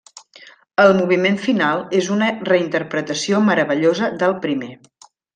El moviment final és una reinterpretació meravellosa del primer.